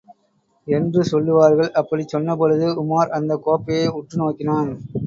என்று சொல்லுவார்கள். அப்படிச் சொன்னபொழுது, உமார் அந்தக் கோப்பையை உற்று நோக்கினான்.